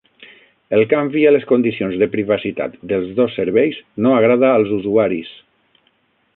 El canvi a les condicions de privacitat dels dos serveis no agrada als usuaris